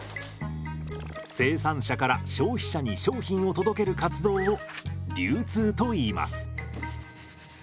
生産者から消費者に商品を届ける活動を流通といいます。